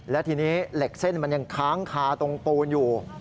และทีนี้เหล็กเส้นมันยังค้างคาตรงปูนอยู่